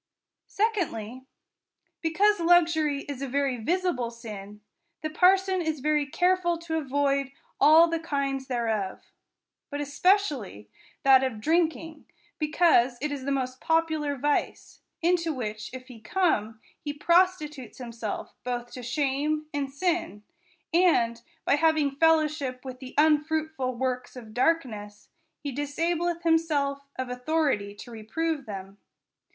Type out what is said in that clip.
— Secondly, because luxury is a very visible sin, the parson is very careful to avoid all the kinds thereof: but especially that of drinking, because it is the most popular vice ; into which if he come, he prostitutes himself both to shame and sin, and, by having fellowship with the unfruitful ivorks of darkness, he disableth himself of authority to reprove them.